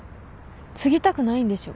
継ぎたくないんでしょ？